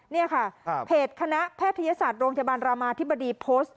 นี่ค่ะเพจคณะแพทยศาสตร์โรงพยาบาลรามาธิบดีโพสต์